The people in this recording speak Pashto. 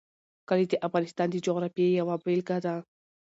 کلي د افغانستان د جغرافیې یوه بېلګه ده.